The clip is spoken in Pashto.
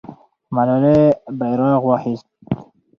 ملالۍ بیرغ واخیست.